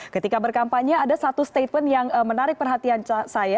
ketika berkampanye ada satu statement yang menarik perhatian saya